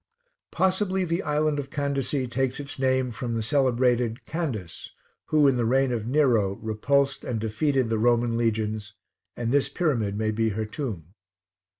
Possibly the island of Kandessee takes its name from the celebrated Candace, who, in the reign of Nero, repulsed and defeated the Roman legions, and this pyramid may be her tomb.